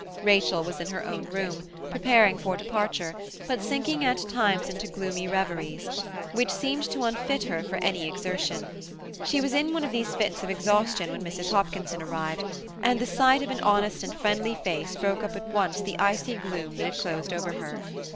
Rachel was in her own room, preparing for departure, but sinking at times into gloomy reveries, which seemed to unfit her for any exertion. She was in one of these fits of exhaustion when Mrs. Hopkinson arrived, and the sight of an honest and friendly face broke up at once the icy gloom that had closed over her.